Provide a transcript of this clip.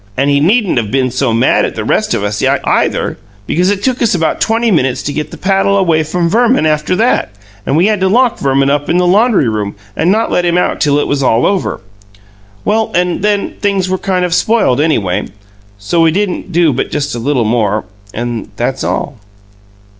And he needn't of been so mad at the rest of us, either, because it took us about twenty minutes to get the paddle away from Verman after that, and we had to lock Verman up in the laundry room and not let him out till it was all over. Well, and then things were kind of spoiled, anyway; so we didn't do but just a little more and that's all."